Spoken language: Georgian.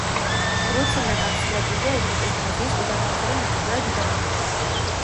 ბრუცუნა გავრცელებულია ევროპის და აზიის უდაბნოებსა და ნახევრად უდაბნოებში.